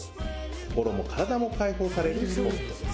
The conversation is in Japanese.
心も体も解放されるスポットです。